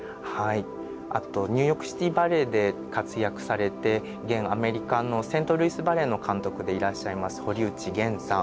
あとニューヨーク・シティ・バレエで活躍されて現アメリカのセントルイス・バレエの監督でいらっしゃいます堀内元さん。